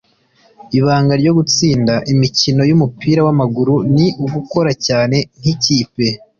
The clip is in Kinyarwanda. Ibanga ryo gutsinda imikino yumupira wamaguru ni ugukora cyane nkikipe,